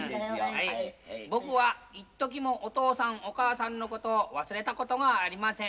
「僕はいっときもお父さんお母さんのことを忘れたことがありません」